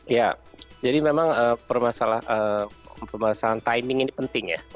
ya jadi memang permasalahan timing ini penting ya